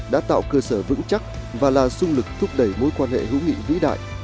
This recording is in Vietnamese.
đã tạo cơ sở vững chắc và là sung lực thúc đẩy mối quan hệ hữu nghị vĩ đại